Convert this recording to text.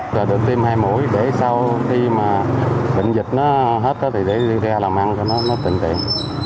rồi được tiêm hai mũi để sau khi mà bệnh dịch nó hết thì để ra làm ăn cho nó tỉnh tiện